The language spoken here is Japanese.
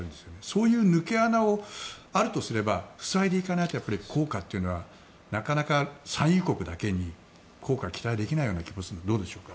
そういう抜け穴があるとすれば塞いでいかないと効果というのはなかなか産油国だけに効果が期待できない気もするんですけどどうでしょうか？